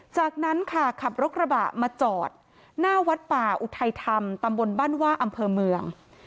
จากนั้นค่ะขับรถกระบะมาจอดหน้าวัดป่าอุทัยธรรมตำบลบ้านว่าอำเภอเมือง